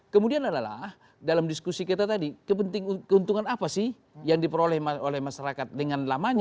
kemudian adalah dalam diskusi kita tadi keuntungan apa sih yang diperoleh oleh masyarakat dengan lamanya